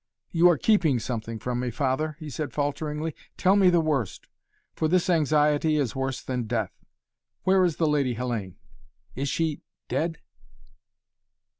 "You are keeping something from me, Father," he said falteringly. "Tell me the worst! For this anxiety is worse than death. Where is the Lady Hellayne? Is she dead?"